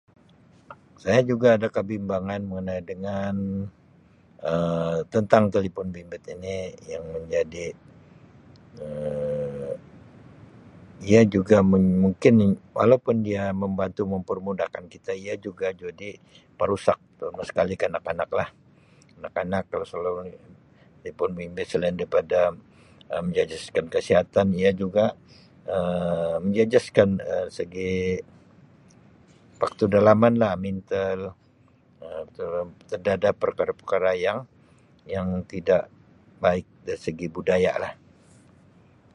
Saya juga ada kebimbangan mengenai dengan Um tentang telefon bimbit ini yang menjadi Um ia juga [unintelligible] mungkin walaupun dia membantu mempermudahkan kita ia juga jadi perusak terutama sekali kanak-kanak lah kanak-kanak kalau selalu telefon bimbit selain daripada Um menjejaskan kesihatan ia juga Um menjejaskan Um segi faktor dalaman lah mental Um terdadah perkara perkara yang yang tidak baik dari segi budaya lah.